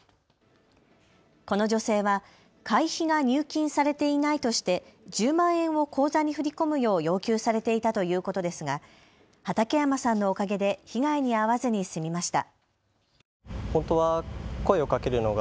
この女性は会費が入金されていないとして１０万円を口座に振り込むよう要求されていたということですが畠山さんのおかげで被害に遭わずに済みました。